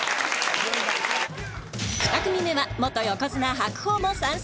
２組目は横綱白鵬も参戦！